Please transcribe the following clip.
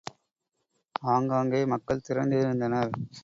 ஆங்காங்கே மக்கள் திரண்டிருந்தனர்.